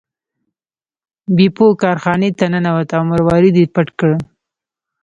بیپو کارخانې ته ننوت او مروارید یې پټ کړ.